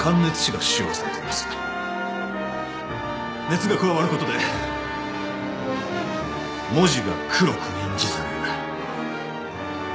熱が加わることで文字が黒く印字される。